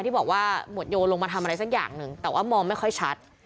ที่บอกว่าหมวดโยลงมาทำอะไรสักอย่างหนึ่งแต่ว่ามองไม่ค่อยชัด